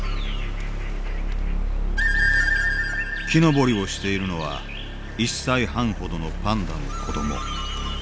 木登りをしているのは１歳半ほどのパンダの子ども。